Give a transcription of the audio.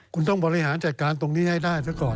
คุณต้องบริหารจัดการตรงนี้ให้ได้ซะก่อน